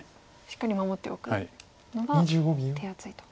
しっかり守っておくのが手厚いと。